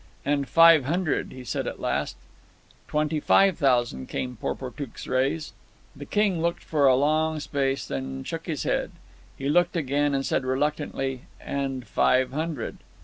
"And five hundred," he said at last. "Twenty five thousand," came Porportuk's raise. The king looked for a long space, and shook his head. He looked again, and said reluctantly, "And five hundred."